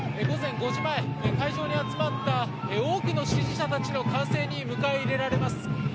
午前５時前、会場に集まった多くの支持者たちの歓声に迎え入れられます。